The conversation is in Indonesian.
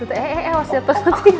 eh eh eh wasit pas mati